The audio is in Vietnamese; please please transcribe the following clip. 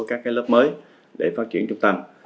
các cái lớp mới để phát triển trung tâm